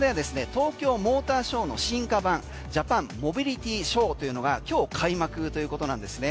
東京モーターショーの進化版ジャパンモビリティショーというのが今日開幕ということなんですね。